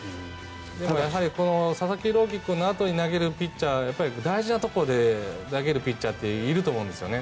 でもやはり佐々木朗希君のあとに投げるピッチャー大事なところで投げるピッチャーっていると思うんですよね。